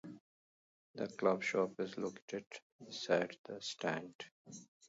The club shop is located beside the stand.